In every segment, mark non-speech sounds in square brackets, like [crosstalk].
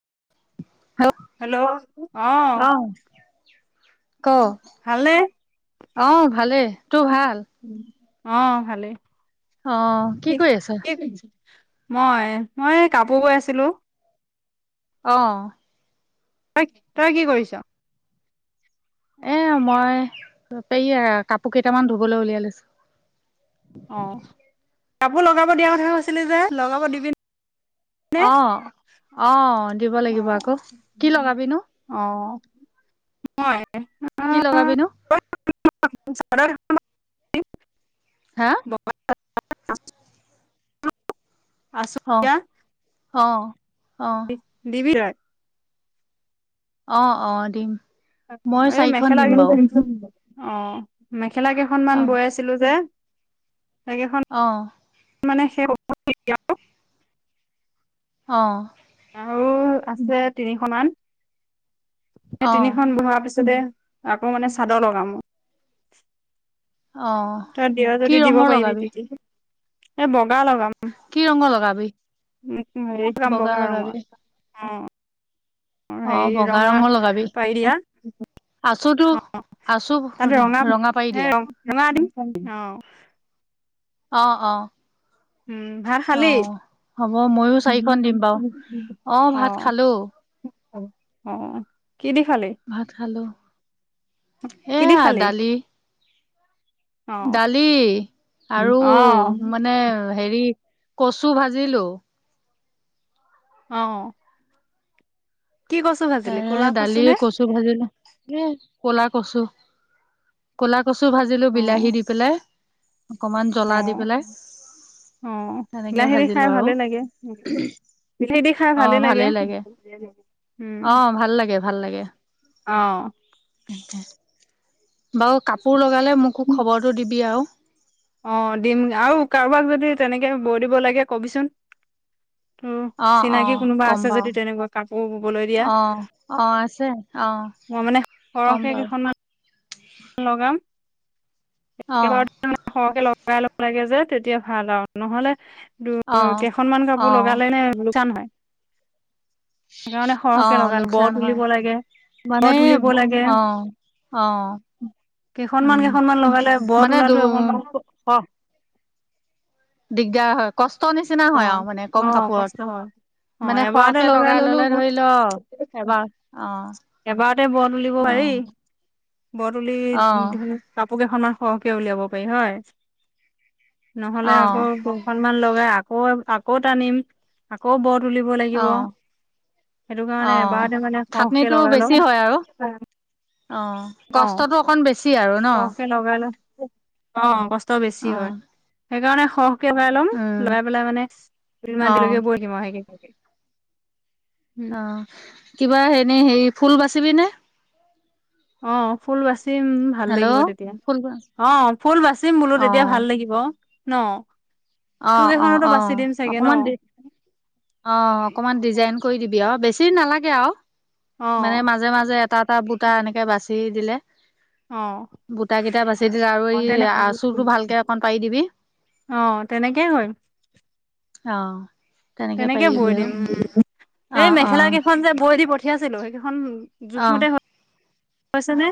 [inaudible] Hello অ' ক ভালনে? অ' ভালে। টো ভাল। অ' ভালেই। অ' কি কৰি আছা? মই- মই কাপোৰ বৈ আছিলো। অ' তই তই কি কৰিছ? এ মই পে কাপোৰ কেইটামান ধুবলৈ উলিয়াই লৈছো। অ কাপোৰ লগাব দিয়া কথা কৈছিলি যে লগাব দিবি। নে? অ আহ দিব লাগিব অ', আকৌ কি লগাবিনো। অ', মই, কি লগাবিনো। [unintelligible] হা, [unintelligible] আছো অ এতিয়া অ অ' [unintelligible] অ অ দিম। মই এ চাৰিখন মেখেলা দিম বাৰু [unintelligible] অ মে, খেলা কেইখনমান বৈ আছিলো যে। সেইকেইখন অহ, মানে সেই এতিয়াও, অ। আও আছে তিনিশ মান। এ অ' তিনিখন বহা পিছতে আকৌ মানে চাদৰ লগাম। অ' তই দিয় কি যদি দিব ৰঙৰ পাৰিবি লগাবি? [unintelligible] এ বগ গা লগাম কি ৰঙৰ লগাবি? [unintelligible] বগা ৰঙৰ, অ। অ হেৰি বগা ৰঙা ৰঙৰ লগাবি, পাৰি দিয়া আছো তো অ আছো ৰঙা পাৰি দিয়া। অঁ খাওঁ অ অ উম ভাত খালি অঁ হ'ব ময়ো চাৰিখন দিম বাও, অঁ ভাত খালোঁ। অঁ ভাত খালোঁ, কি দি এয়া খালি দালি। অ দালি আৰু অ মানে হেৰি কচু ভাজিলোঁ অঁ ত ক'লা দালিয়ে নে কচু ভাজিলো, এ ক'লা কচু, কলা। কচু ভাজিলো বিলাহী দি পেলাই অকমান জ্বলা দি অঁ, পেলাই অঁ তেনেকে বিলাহী দি ভাজিলো খাই ভালে লাগে, উ বিলাহী দি খাই অঁ ভালে ভালেই লাগে, অঁ ভাল লাগে। ভাল লাগে। অঁ বাৰু কাপোৰ লগ সোনকালে মোকো খবৰটো দিবি আও অঁ দিম আৰু কাৰোবাক যদি তেনেকে বৈ দিব লাগে কবিচোন। উ অ', চিনাকি অ', কোনোবা ক'ম আছে বাৰু। যদি তেনেকুৱা কাপোৰ ববলৈ দিয়া অ', [unintelligible] মই মানে ক'ম সৰহকে বাৰু কেইখনমান। লগাম অ', একেবাৰতে মানে সৰহকে লগাম লগাই লব লাগে যে তেতিয়া ভাল আও নহলে দু অ'। কেইখনমান কাপোৰ লগালে নে লোকচান হয় সেইকাৰণে সৰহকে অঁ লগালে বৰ লোকচান হয় তুলিব লাগে মানে, বৰ তুলিব ব লাগে অঁ অঁ কেইখনমান কেইখনমান লগালে মানে দু বৰতোলাটোৱে অকণমান অ', দিগদাৰ হয় কষ্ট কষ্ট নিচিনা অ হয় আও মানে কম অ কষ্ট হয় অ কাপোৰত মানে এবাৰতে সৰহকে লগাই ললো ললে ধৰি লও এবাৰ অঁ এবাৰতে ব তুলিব পাৰি, ব তুলি ধ অ', কাপোৰকেইখন [unintelligible] সহকে উলিয়াব পাৰি হয় নহলে আকৌ অ', দুখনমান লগাই আকৌ কৌ টানিম আকৌ বত তুলিব লাগিব। অ', সেইটো কাৰণে এবাৰতে মানে ক টো বেছি হয় আও। অ অ কষ্টটো অকণ বেছি আৰু ন। সৰহকে লগাই লওঁ অ কচ ট বেছি হয়। অ', সেইকাৰণে স ভৰাই ল'ম উম। লৰাই পেলাই মানে অ দুদিনমান দিললৈকে বৈহিম আৰু সে অ' কিবা হেৰি এনেই, সেই ফুল বাচিবি নে অ' ফুল আছে বাচিম ভাল লাগিব হেল্ল' তেতিয়া, ফুল অ' ফুল বাচিম বোলো অ তেতিয়া ভাল লাগিব। ন। তোৰ অ', অ', কেইখনতো অ। বাচি দিম চাগে ন অকমান অ' অকমান ডিজাইন কৰি দিবি আৰু বেছি [unintelligible] নালাগে আৰু। অ মানে মাজে-মাজে এটা - এটা বুটা এনেকে বাচি দিলে। অ বুটা কেইটা বাচি দিলে আৰু অ এই তেনে আচুৰটো ভালকে অকণ পাৰি দিবি। অ [unintelligible] অঁ। তেনেকে বৈ দিম উম, অ এই মেখেলা অ কেইখন যে বৈ দি পঠিয়াইছিলো সেই সেইখন জোখমতে হ হৈছেনে?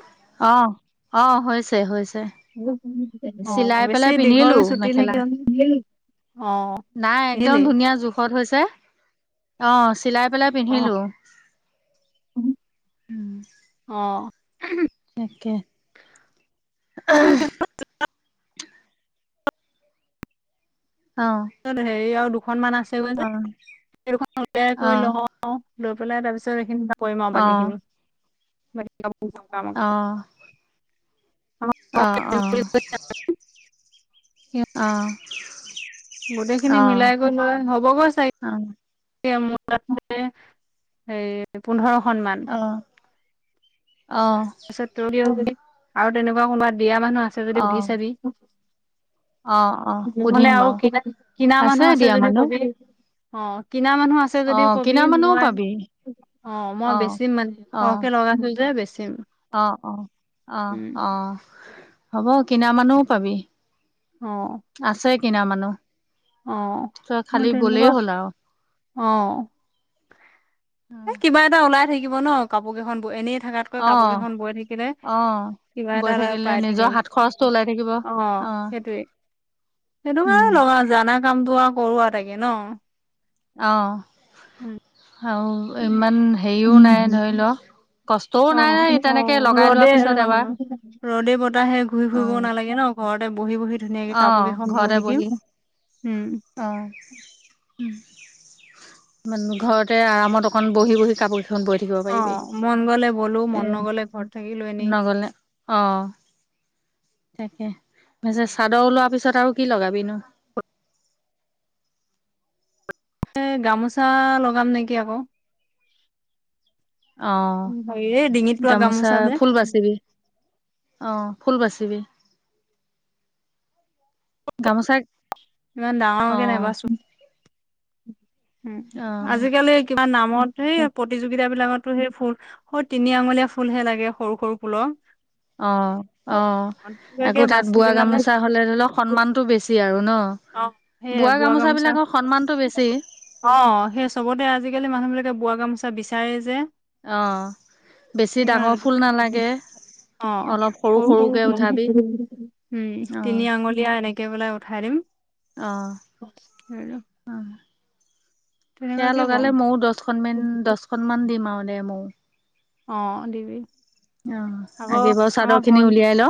অঁ, অঁ হৈছে হৈছে। অ চিলাই বেছি পেলাই দীঘল পিন্ধিলো ছুটি নে মেখেলা। কি অ নাই, একদম পিন্ধিলি ধুনীয়া জোখ ক'ত হৈছে, অঁহ। চিলাই পেলাই অ পিন্ধিলো। উম, অ তাকে। [unintelligible] অ ত সেইয় দু সন্মান আছে গৈ যে, অ এই দুখন উলিয়াই অ কৰি ল'ও। লৈ পেলাই তাৰ পিছত সেইখিন বা পৰিম আও বাকীখিনি। [inaudible] অহ। [inaudible] অহ। গোটেইখিনি মিলাই গৈ লৈ, হ'বগৈ, অ চাগ মোৰ তাত, মানে, হেৰি, পোন্ধৰ সন্মান। অ [inaudible] আৰু, তেনেকুৱা ক'বাত দিয়া মানুহ আছে যদি, অ সুধি চাবি। অ অ নহ'লে সুধিম আৰু বাৰু কিনা, কিনা মানুহ আছে দিয়া যদি মানুহ কবি। অ'। কিনা মানুহ আছে অ যদি, ক'বি। কিনা মানুহও মই, পাবি অ', মই বেছি, মানে, অ সৰহকৈ লগাইছোঁ যে, বেছি চিম অ', অ'। অহ, অ'। হ'ব। কিনা মানুহো পাবি অ'। আছে কিনা মানুহ অ তই মোৰ খালি ক'লেই তেনেকুৱা হ'ল, আৰু অ'। এ, কিবা এটা ওলাই থাকিব, ন? কাপোৰকেইখন বৈ, এনেই থাকাতকৈ, অ কাপোৰকেইখন বৈ থাকিলে, অ কিবা বৈ এটা থাকিলে পাই নিজৰ থাকিম। হাত খৰচটো ওলাই থাকিব অ', সেইটোৱেই। উম সেইটোকাৰণে লগা কামটো আৰু কৰোৱাই থাকে, ন? উম অ'। আৰু ইমান হেৰিও নাই। ধৰি ল, কষ্টও অ নাই। অ তেনেকে লগাই ৰ'দে লোৱাৰ পিছত অ এবাৰ, উম। বহি-বহি অ', ঘৰতে বহি। উম অ', উম। মানে, ঘৰতে আৰামত অকণ, বহি-বহি কাপোৰ কেইখন বৈ থাকিব পাৰিবি অ', মন গ'লে বলোঁ। এ মন নগ'লে ঘৰত থাকিলোঁ এনেই নগলে অ', তাকে মেছেজ চাদৰ ওলোৱাৰ পিছত, আৰু কি লগাবি নো? গামোচা লগাম নেকি আকৌ? অ হেৰিৰে ডিঙিত পোৱা গামোচা যে ফুল বাচিবি অ ফুল বাচিবি গামোচা ইমান অ ডাঙৰকে নাইবাচোন উ অ আজিকালি কিবা নামত সেই তাকে প্ৰতিযোগিতা বিলাকত টো সেই ফুল স তিনি আঙুলীয়া ফুলহে লাগে সৰু সৰু ফুলৰ অ অ আকৌ তেনেকুৱাকে তাত বাচি বোৱা পেলাই মানে গামোচা হলে ধৰি লওক সন্মানতটো বেছি আৰু ন অ সেইয়াই বোৱা গামোচা গামোচাবিলাকৰ সন্মানটো বেছি অ সেই চবতে আজিকালি মানুহ বিলাকে বোৱা গামোচা চা বিচাৰে যে অ বেছি ডাঙৰ সেইকাৰণ ফুল নালাগে অ অলপ সৰু সৰু সৰুকে উঠাবি উম তিনি আঙলীয়া এনেক একে বেললে উঠাই দিম আহ আহ সেয়া তেনেকুৱাকে বম লগালে ময়ো দহখনন ম দচখননমানান দিম আৰু দে ময়ৌ অ দিবি অ আকৌ আাগেিব আমাৰ চাদৰ খিনি ভন উলিয়াই ল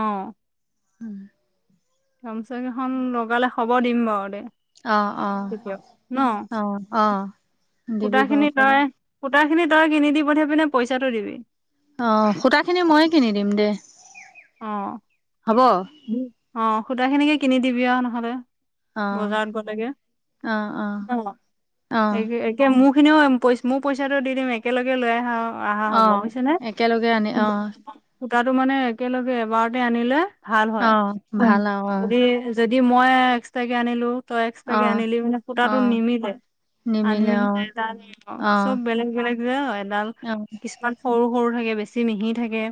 অ গামচা কেইখন লগালে খবৰ দিম বাৰু দে অ অ তিয়া ন অ অ দিবি কুত বাৰু খিনি খবৰ তই কু সেই খিনি তই কিনি দি পঠে পিনে পইচাটো দিবি অ সূতা খিনি ময়ে কিনি দিম দেই অ অ সূতা খিনিকে কিনি দিবিিয় নহ'লে অ বজাৰত গলেগে অ ন অ একে মখ স খিনিও পই মই পইচাটো দিম একেলগে লৈ আহা অ অহা হ'ব বুজিছ নে একেলগে আনি অ সূতটো মানে একেলগে এবাৰতে আনিলে ভাল হয় অ গ ভাল আৰু অ যদি দি মই এক্সট্ৰ কেে আনিলো তই অ এক্স্ৰাকে আনিলি মানে অ ফুটাাতটো নিমিতেে নিমিলে আনমিল অ ত চব অ', বেলেগ বেলেগ উ অ', কিছুমান সৰু সৰু থাকে বেছি মিহি থাকে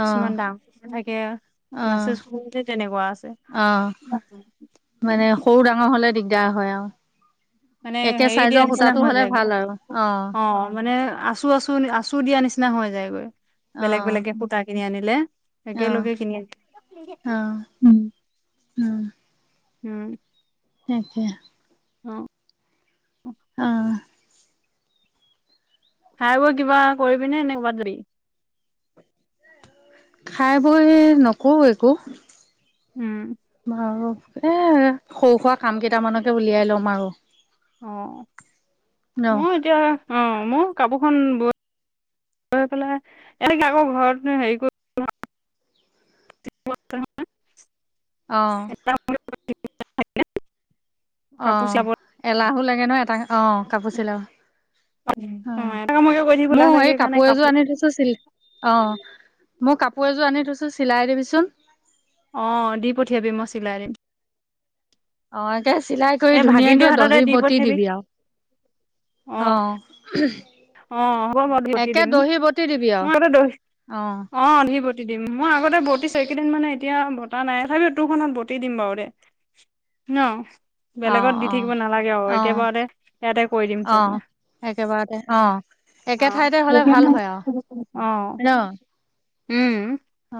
কিছুমান দামনেকে মাছে অ', সতে তেনেকুৱা আছে অ', উম। দাৰ হয় আৰু। মানে একে হেৰি দিয়া চাইজৰ নিচিনা সূতাটো হৈ হ'লে যায় ভাল আৰু অ মানে। আছো আছো আচুৰ দিয়া নিচিনা হৈ যায়গৈ। বেলেগ অ', বেলেগ সূতা কিনি আনি। হলে। অ', একেলগে কিনি আনি। অ', [unintelligible] উম, উম। তাকে। অ। অ। খাই বৈ কিবা কৰিবিনে এনে কবাত যাবি। খাই বৈ নকওঁ একো। উম। বাৰু এ সৰু সুৰা কাম কেইটামানকে উলিয়াই লম আৰু। অ ন মই এতিয়া। অ মোৰ কাপোৰখন বৈ বৈ পেলাই এনেকে আকৌ ঘৰত হেৰি কৰি। অহ। এটা [unintelligible] অ কাপোৰ চিলাব এলাহো লাগে। নাহ এটা। অ কাপোৰ চিলাওঁ অ এটা কামকে কৰি থাকিব এলাহ মই লাগে এই সেইকাৰণে কাপোৰ এযোৰ আনি থৈছোঁ চিল্ক অ। মই কাপোৰ এযোৰ আনি থৈছোঁ চিলাই দিবিচোন। অ দি পঠিয়াবি মই চিলাই দিম। অ। তাকে চিলাই কৰি এই ধুনীয়াকে ভাগিনটোৰ হাততে দহি দি বতি পঠিয়াবি। দিবি আৰু অ। অ হ'ব মই ধতি একে দিম দহি বটি দিবি আৰু মই দ অ। বটি দিম মই আগতে বতিছো এইকেইদিন মানে এতিয়া বতা নাই তথাপিও তোৰখনত বটি দিম বাৰু দে নহ। অ বেলেগত দি অ থাকিব নালাগে অ একেবাৰতে ইয়াতে কৰি দিম অ চব মই। একেবাৰতে অ একে অ', ঠাইতে হ'লে ভাল হয় আৰু হয় অ', নহ। উম। অ।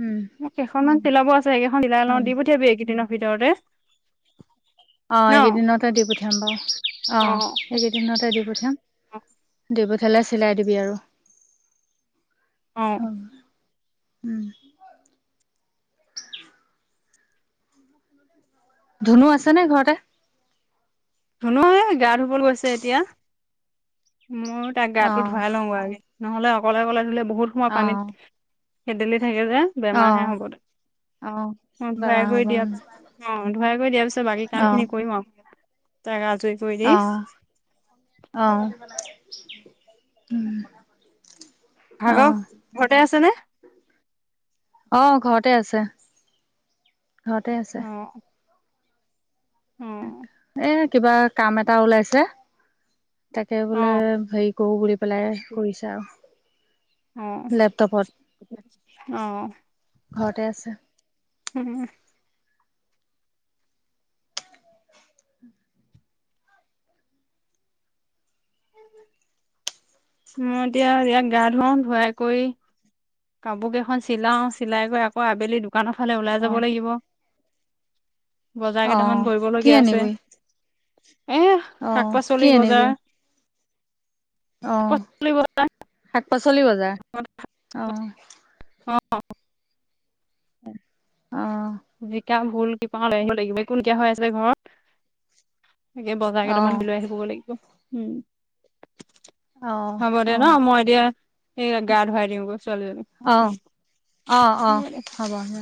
উম কেইখনমান। চিলাব আছে। সেইকেইখন চিলাই লওঁ হ'ব দি পঠিয়াবি এইকেইদিনত। ভিতৰতে অ', ন এইকেইদিনতে দি পঠিয়াম বাৰু, অ', এইকেইদিনতে দি পঠিয়াম, দি প ফালে চিলাই দিবি আৰু। অ'। উম। ধুনু আছে নে ঘৰতে? ধুনোৱে গা ধুব বলৈ গৈছে এতিয়া। মইয়ো তাক অ গাটো ধুৱাই লওঁগৈ আগে। নহ'লে অকলে অকলে ধুলে বহুত সময় অ পানীত খেদেলি থাকে যে, অ বেমাৰ হে হ'ব তাৰ, অ মই ধুৱাই বেমাৰ কৰি হ'ব দিয়া পিছত, অ অ'। সহায় কৰি দিয়াৰ পিছত বাকী কাম খিনি কৰিম আও। তাক আক অৱ অৱ উম। ভাগ ঘৰতে আছে নে? অৱ ঘৰতে আছে। ঘৰতে আছে। অৱ। এ কিবা কাম এটা ওলাইছে। তাকে অ বোলে হেই কৰো বুলি পেলাই কৰিছে আও। অৱ, ঘৰতে অৱ। আছে উম। মই এতিয়া ইয়াক গা ধুৱাও ধুৱাই কৰি কাপোৰ কেইখন চিলাও চিলাই গৈ আকৌ আবেলি দু দোকানৰ ফালে ওলাই অ যাব লাগিব। বজাৰ অ কেইটামান কি কৰিবলগীয়া আছে। আনিবি এ শাক-পাচলি বজাৰ। অৱ পাচলি শাক-পাচলি বজাৰ। অৱ। অঁ। অঁ জিকা ভুল কওল আহিব লাগিব কোনকা হৈ আছে ঘৰত তাকে বজাৰ অ কেইটামান গ লৈ আহিব লাগিব। উম। অ হ'ব দে অ ন মই এতিয়া সেই গা ধুৱাই দিওঁ গৈ ছোৱালীজনীক। অ অ অ হ'ব দে।